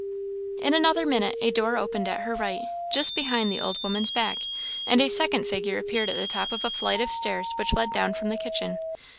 In another minute a door opened at her right, just behind the old woman's back, and a second figure appeared at the top of a flight of stairs which led down from the kitchen.